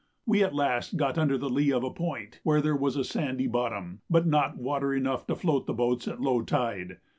We at last got under the lee of a point where there was a sandy bottom, but not water enough to float the boats at low tide.